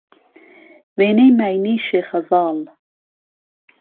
وێنهی ماینی شێخهزاڵ